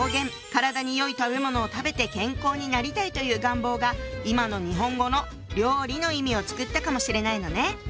「体によい食べものを食べて健康になりたい！」という願望が今の日本語の「料理」の意味を作ったかもしれないのね。